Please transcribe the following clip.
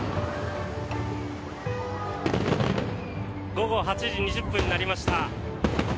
午後８時２０分になりました。